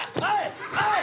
おい！